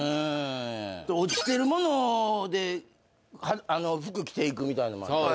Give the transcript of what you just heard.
落ちてるもので服を着ていくみたいなのもあったね。